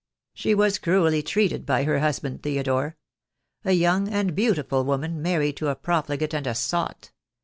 "She was cruelly treated by her husband, Theodore. A young and beautiful woman, married to a profligate and a sot.